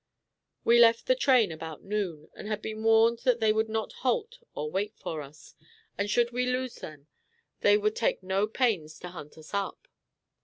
We left the train about noon, and had been warned that they would not halt or wait for us, and should we lose them, they would take no pains to hunt us up.